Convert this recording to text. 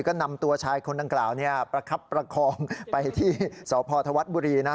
ก็นำตัวชายคนดังกล่าวเนี่ยประคับประคองไปที่สพธวัฒน์บุรีนะ